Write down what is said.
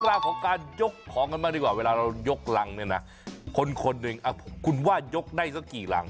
ราวของการยกของกันบ้างดีกว่าเวลาเรายกรังเนี่ยนะคนคนหนึ่งคุณว่ายกได้สักกี่รัง